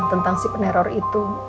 tentang si peneror itu